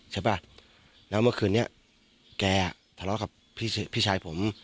ใช่ป่ะแล้วเมื่อคืนนี้แกทะเลาะกับพี่ชายผม